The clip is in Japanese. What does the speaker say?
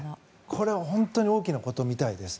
これ、本当に大きなことみたいです。